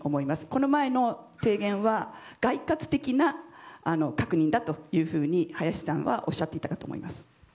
この前の提言は概括的な確認だというふうにハヤシさんはおっしゃっていたかと思います。